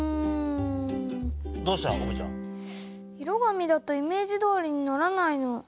色紙だとイメージどおりにならないの。